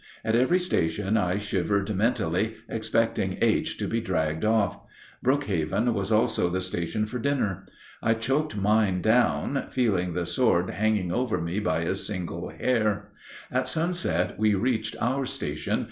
At every station I shivered mentally, expecting H. to be dragged off. Brookhaven was also the station for dinner. I choked mine down, feeling the sword hanging over me by a single hair. At sunset we reached our station.